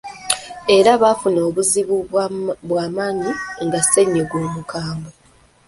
Era bafuna obuzibu bwa maanyi nga ssennyiga omukambwe.